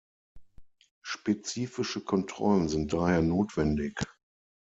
Spezifische Kontrollen sind daher notwendig.